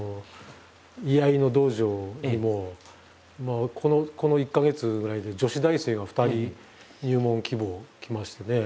居合の道場にもこの１か月ぐらいで女子大生が２人入門希望来ましてね。